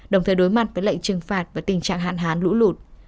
đồng thời đối mặt với lệnh trừng phạt và tình trạng hạn hán lũ lụt